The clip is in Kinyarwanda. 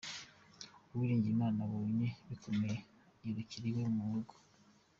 Uwiringiyimana abonye bikomeye yirukira iwe mu rugo.